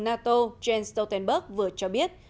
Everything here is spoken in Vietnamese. nato jens stoltenberg vừa cho biết